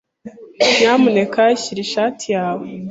Nyamuneka shyira ishati yawe.